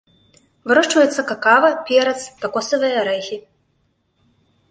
Вырошчваюцца какава, перац, какосавыя арэхі.